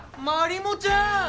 まりもちゃん！